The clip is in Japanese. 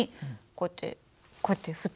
こうやって。